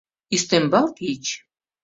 Ӱстембал тич.